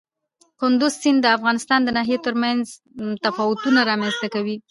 کندز سیند د افغانستان د ناحیو ترمنځ تفاوتونه رامنځ ته کوي.